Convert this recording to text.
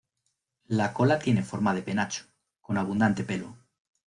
La cola tiene forma de penacho, con abundante pelo.